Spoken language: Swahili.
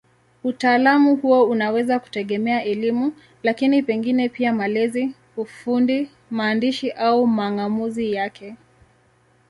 Utaalamu huo unaweza kutegemea elimu, lakini pengine pia malezi, ufundi, maandishi au mang'amuzi yake.